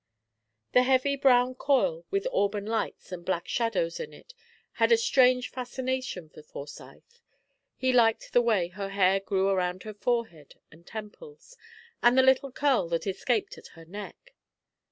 The heavy brown coil, with auburn lights and black shadows in it, had a strange fascination for Forsyth. He liked the way her hair grew around her forehead and temples, and the little curl that escaped at her neck.